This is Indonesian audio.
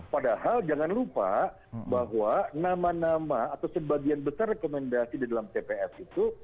padahal jangan lupa bahwa nama nama atau sebagian besar rekomendasi di dalam tpf itu